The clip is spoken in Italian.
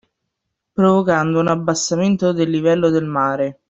Provocando un abbassamento del livello del mare